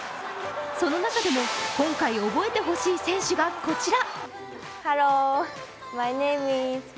その中でも今回、覚えてほしい選手がこちら。